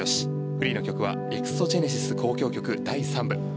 フリーの曲は「エクソジェネシス交響曲第３部」。